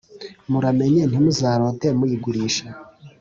Muramenye ntimuzarote muyigurisha